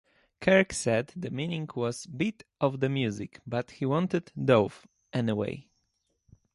Kirk said the meaning was "beat of the music", but he wanted "Dove" anyway.